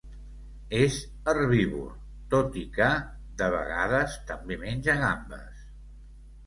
És herbívor, tot i que, de vegades, també menja gambes.